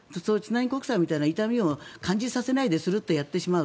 国債みたいなものにすると感じさせないでするっとやってしまう。